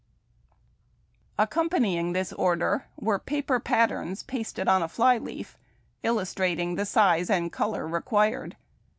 G. Accompanying this order were ])aper patterns pasted on a fly leaf, illustrating the size and color required.